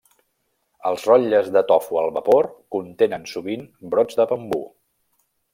Els rotlles de tofu al vapor contenen sovint brots de bambú.